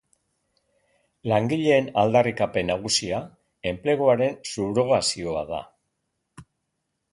Langileen aldarrikapen nagusia enpleguaren subrogazioa da.